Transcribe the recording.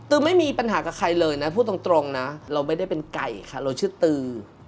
ไม่มีปัญหากับใครเลยนะพูดตรงนะเราไม่ได้เป็นไก่ค่ะเราชื่อตือ